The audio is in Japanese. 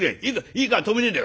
いいから止めねえで。